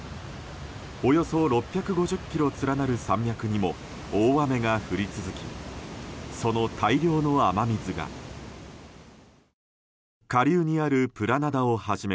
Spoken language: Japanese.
およそ６５０ｋｍ連なる山脈にも大雨が降り続きその大量の雨水が下流にあるプラナダはじめ